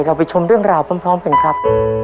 เราไปชมเรื่องราวพร้อมกันครับ